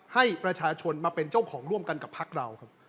ให้ประชาชนมาเป็นเจ้าของร่วมกันกับพักเราครับ